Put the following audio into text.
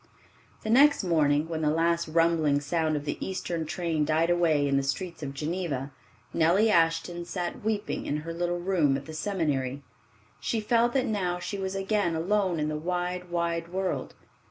The next morning when the last rumbling sound of the eastern train died away in the streets of Geneva, Nellie Ashton sat weeping in her little room at the seminary. She felt that now she was again alone in the wide, wide world.